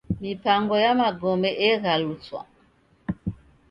Mipango ya magome eghaluswa.